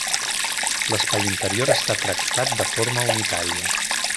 L'espai interior està tractat de forma unitària.